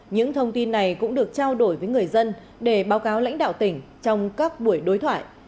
những thông tin này cũng được trao đổi với người dân để báo cáo lãnh đạo tỉnh trong các buổi đối thoại